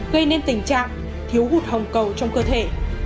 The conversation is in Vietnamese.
gây nên tình trạng thiếu hụt hồng cầu trong cơ thể